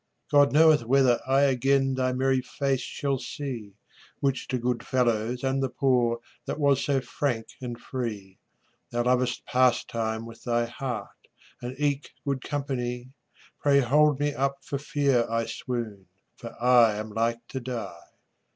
God knoweth whether I again Thy merry face shall see, Which to good fellows and the poor That was so frank and free. Thou lovedst pastime with thy heart, And eke good company; Pray hold me up for fear I swoon, For I am like to die.